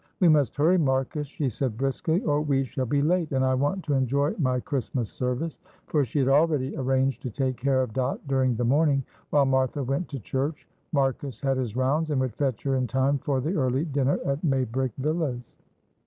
"We must hurry, Marcus," she said, briskly, "or we shall be late, and I want to enjoy my Christmas service," for she had already arranged to take care of Dot during the morning, while Martha went to church. Marcus had his rounds, and would fetch her in time for the early dinner at Maybrick Villas.